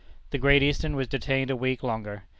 The Great Eastern was detained a week longer.